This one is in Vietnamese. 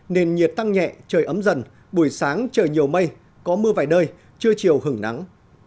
nền nhiệt tăng nhẹ trời ấm dần buổi sáng trời nhiều mây có mưa vài nơi trưa chiều hứng nắng